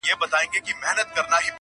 بې گودره چي گډېږي، خود بې سيند وړي.